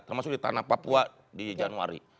termasuk di tanah papua di januari